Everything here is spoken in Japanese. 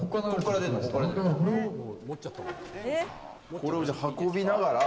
これを運びながら。